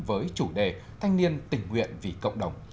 với chủ đề thanh niên tình nguyện vì cộng đồng